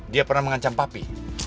dia pernah mengancam papi